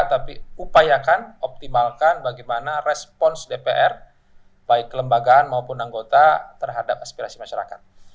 tapi upayakan optimalkan bagaimana respons dpr baik kelembagaan maupun anggota terhadap aspirasi masyarakat